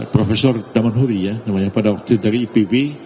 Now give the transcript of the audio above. profesor daman huri ya namanya pada waktu dari ipb